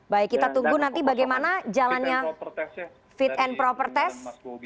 baik kita tunggu nanti bagaimana jalannya fit and proper test